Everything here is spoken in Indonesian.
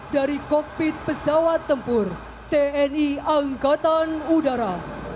dari kokpit pesawat tempur tni angkatan udara